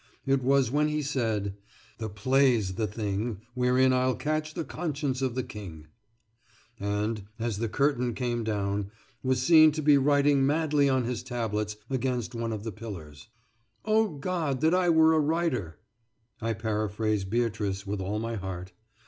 It was when he said: The play's the thing Wherein I'll catch the conscience of the King and, as the curtain came down, was seen to be writing madly on his tablets against one of the pillars. "0 God, that I were a writer!" I paraphrase Beatrice with all my heart.